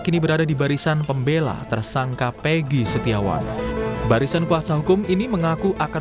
kini berada di barisan pembela tersangka peggy setiawan barisan kuasa hukum ini mengaku akan